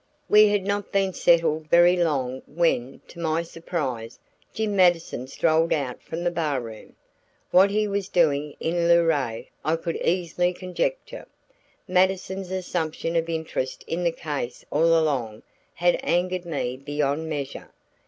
We had not been settled very long when, to my surprise, Jim Mattison strolled out from the bar room. What he was doing in Luray, I could easily conjecture. Mattison's assumption of interest in the case all along had angered me beyond measure.